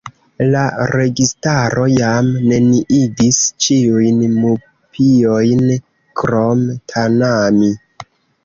La registaro jam neniigis ĉiujn mupiojn krom Tanami.